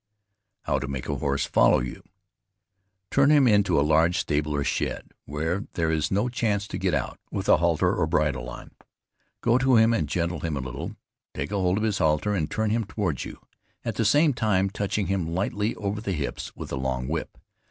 HOW TO MAKE A HORSE FOLLOW YOU. Turn him into a large stable or shed, where there is no chance to get out, with a halter or bridle on. Go to him and gentle him a little, take hold of his halter and turn him towards you, at the same time touching him lightly over the hips with a long whip.